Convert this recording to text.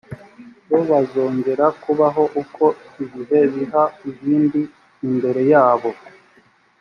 bo bazongera kubaho uko ibihe biha ibindi imbere yabo